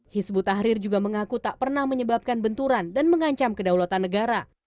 hizbut tahrir juga mengaku tak pernah menyebabkan benturan dan mengancam kedaulatan negara